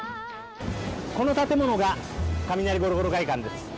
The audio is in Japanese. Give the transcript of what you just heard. この建物が雷５６５６会館です。